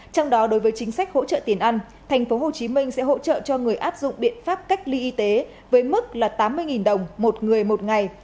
trong đó đối với chính sách hỗ trợ tiền ăn tp hcm sẽ hỗ trợ cho người áp dụng biện pháp cách ly y tế với mức là tám mươi đồng một người một ngày